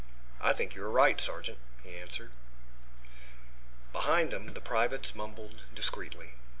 "I think you are right, sergeant," he answered. Behind them the privates mumbled discreetly.